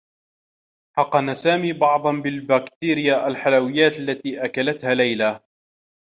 حقن سامي بعض بالباكتيريا الحلويّات التي أكلتها ليلى.